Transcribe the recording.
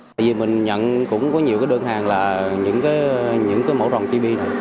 tại vì mình nhận cũng có nhiều đơn hàng là những cái mẫu rồng chibi này